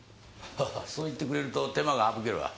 ハハそう言ってくれると手間が省けるわ。